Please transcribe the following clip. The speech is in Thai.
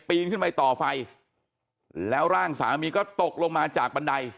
นขึ้นไปต่อไฟแล้วร่างสามีก็ตกลงมาจากบันได